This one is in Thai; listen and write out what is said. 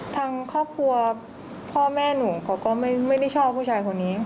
ทางครอบครัวพ่อแม่หนูเขาก็ไม่ได้ชอบผู้ชายคนนี้